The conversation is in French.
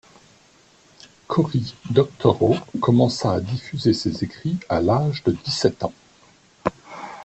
Cory Doctorow commença à diffuser ses écrits à l'âge de dix-sept ans.